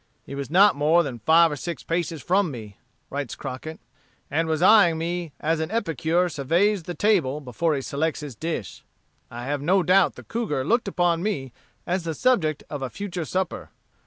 "He was not more than five or six paces from me," writes Crockett, "and was eying me as an epicure surveys the table before he selects his dish, I have no doubt the cougar looked upon me as the subject of a future supper.